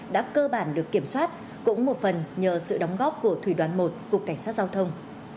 đã cơ bản được kiểm soát cũng một phần nhờ sự đóng góp của thủy đoàn một cục cảnh sát giao thông